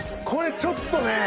これちょっとね